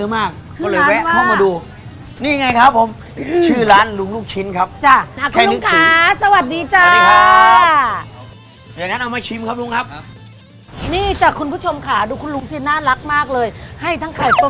มีเดียมหน่อยนะลูกนะขอบคุณครับโอ้โห